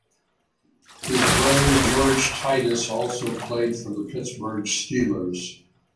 His brother George Titus also played for the Pittsburgh Steelers.